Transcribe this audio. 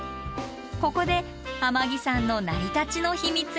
ここで天城山の成り立ちの秘密が。